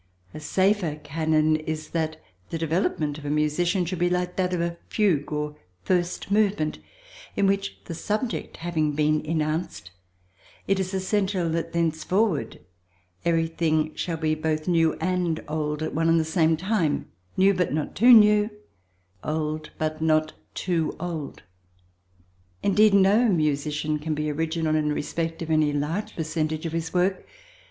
A safer canon is that the development of a musician should be like that of a fugue or first movement, in which, the subject having been enounced, it is essential that thenceforward everything shall be both new and old at one and the same time—new, but not too new—old, but not too old. Indeed no musician can be original in respect of any large percentage of his work.